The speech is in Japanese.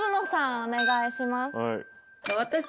お願いします